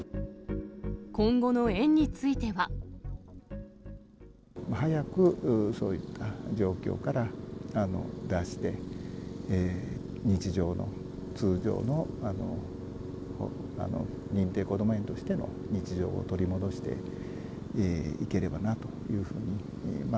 今後の園については。早く、そういった状況から脱して、日常の通常の認定こども園としての日常を取り戻していければなというふうに。